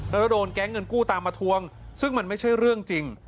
แล้วโดนแก๊งเงินกู้ตามมาทวงซึ่งมันไม่ใช่เรื่องจริง